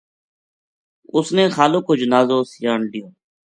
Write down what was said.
اُس نے خالق کو جنازو سیان لیو